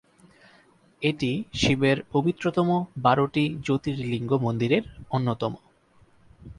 এটি শিবের পবিত্রতম বারোটি জ্যোতির্লিঙ্গ মন্দিরের অন্যতম।